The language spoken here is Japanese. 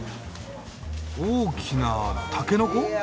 大きなタケノコ？